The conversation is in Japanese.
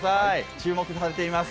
注目されています。